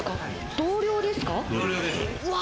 同僚です。